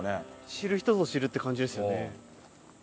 知る人ぞ知るって感じですよね。